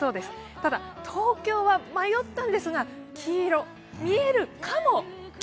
ただ東京は迷ったんですが黄色、見えるかも。